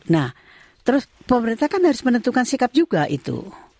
nah terus pemerintah kan harus menentukan sikap juga itu